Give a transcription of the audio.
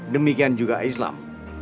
demikian juga islam